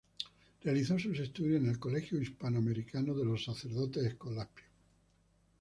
Realizó sus estudios en el Colegio Hispano Americano de los sacerdotes Escolapios.